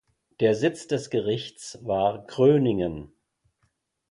Der Sitz des Gerichts war Gröningen.